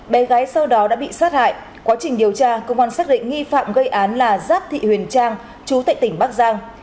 bé gái sau đó đã bị sát hại quá trình điều tra công an xác định nghi phạm gây án là giáp thị huyền trang chú tại tỉnh bắc giang